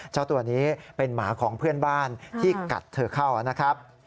เจ้าตัวนี้เป็นหมาของเพื่อนบ้านที่กัดเธอเข้านะครับ